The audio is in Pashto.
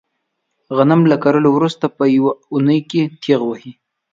غنم له کرلو ورسته په یوه اونۍ کې تېغ وهي.